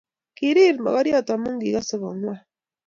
Kirir mogoryot amu kigase kongwan